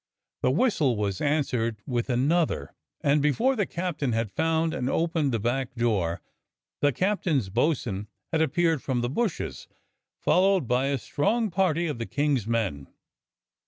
The whistle was answered with another, and before the captain had found and opened the back door, the captain's bo'sun had appeared from the bushes, followed by a strong party of the King's men.